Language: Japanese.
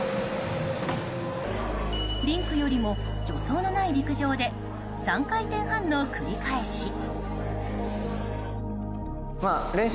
リンクよりも助走のない陸上で３回転半の繰り返し。